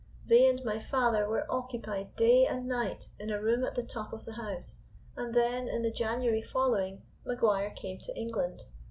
They and my father were occupied day and night in a room at the top of the house, and then, in the January following, Maguire came to England.